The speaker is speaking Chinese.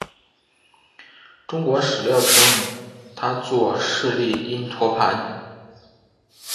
中国史料称他作释利因陀盘。